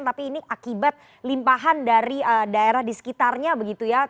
tapi ini akibat limpahan dari daerah di sekitarnya begitu ya